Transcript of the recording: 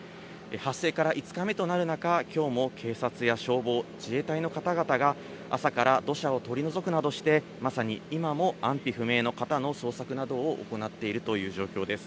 発生から５日目となる中、きょうも警察や消防、自衛隊の方々が、あさからどしゃをとりのぞくなどしてまさに今も安否不明の方の捜索などを行っているという状況です。